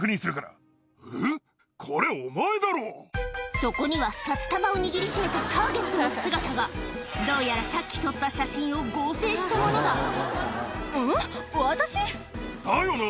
そこには札束を握り締めたターゲットの姿がどうやらさっき撮った写真を合成したものだんっ？だよな。